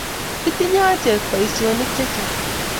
Kitinye acheg poisyonik chechang'.